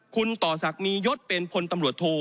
คุณต่อศักดิ์มียศเป็นพลตำรวจโท